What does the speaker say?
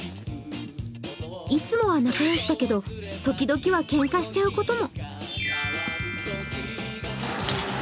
いつもは仲よしだけど、時々はけんかしちゃうことも。